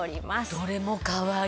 どれもかわいい！